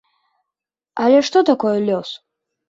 Але што такое лёс?